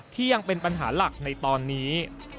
ยังเป็นปัญหาหลักในตอนนี้